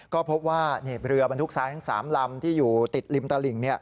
ก็พบว่าเรือบรรทุกทรายทั้ง๓ลำที่อยู่ติดริมตลิ่ง